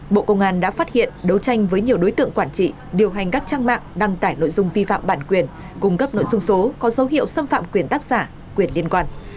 bộ công an đã phát hiện đấu tranh với nhiều đối tượng quản trị điều hành các trang mạng đăng tải nội dung vi phạm bản quyền cung cấp nội dung số có dấu hiệu xâm phạm quyền tác giả quyền liên quan